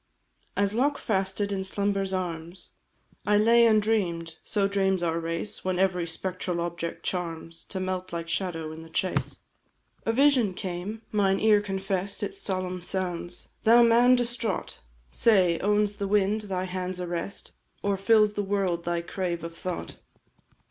As lockfasted in slumber's arms I lay and dream'd (so dreams our race When every spectral object charms, To melt, like shadow, in the chase), A vision came; mine ear confess'd Its solemn sounds. "Thou man distraught! Say, owns the wind thy hand's arrest, Or fills the world thy crave of thought?